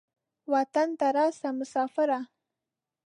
وطن ته راسه مسافره.